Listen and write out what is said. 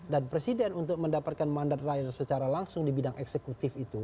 dan presiden untuk mendapatkan mandat rakyat secara langsung di bidang eksekutif itu